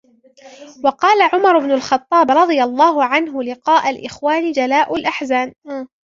وَقَالَ عُمَرُ بْنُ الْخَطَّابِ رَضِيَ اللَّهُ عَنْهُ لِقَاءُ الْإِخْوَانِ جَلَاءُ الْأَحْزَانِ